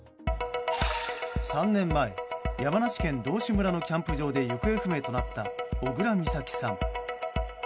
３年前、山梨県道志村のキャンプ場で行方不明となった小倉美咲さん。